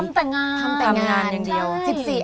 แต่งงานทำแต่งงานอย่างเดียว